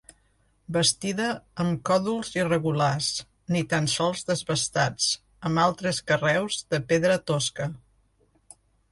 Bastida amb còdols irregulars, ni tan sols desbastats, amb altres carreus de pedra tosca.